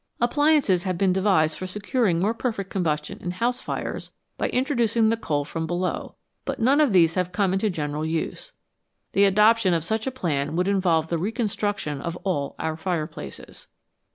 Appliances have been devised for securing more perfect combustion in house 1 fires by introducing the coal from below, but none of these have come into general use. The adoption of such a plan would involve the recon struction of all our fireplaces.